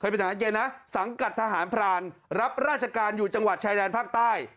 เป็นทหารเกณฑ์นะสังกัดทหารพรานรับราชการอยู่จังหวัดชายแดนภาคใต้